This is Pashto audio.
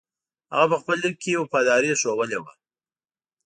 هغه په خپل لیک کې وفاداري ښودلې وه.